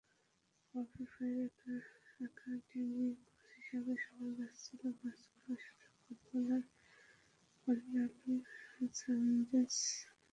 বাফুফের একাডেমির কোচ হিসেবে শোনা যাচ্ছিল বার্সেলোনার সাবেক ফুটবলার গঞ্জালো সানচেজ মোরেনোর নাম।